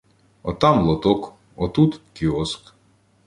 Отам – лоток, отут – кіоск